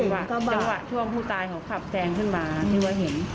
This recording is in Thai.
จังหวะช่วงผู้ตายเขาขับแซงขึ้นมาที่ว่าเห็น